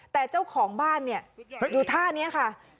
แต่เจ้าของบ้านเนี่ยอยู่ท่านี้ค่ะ